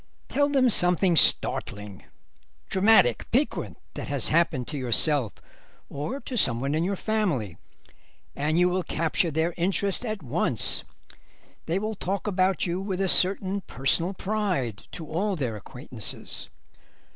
Tell them something startling, dramatic, piquant that has happened to yourself or to someone in your family, and you will capture their interest at once. They will talk about you with a certain personal pride to all their acquaintances.